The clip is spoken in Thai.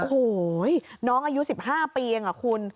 โอ้โหน้องอายุ๑๕ปีเองคุณ